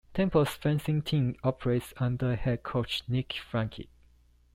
Temple's fencing team operates under head coach Nikki Franke.